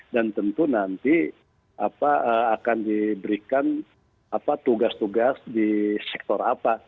dan tentu nanti akan diberikan tugas tugas di sektor apa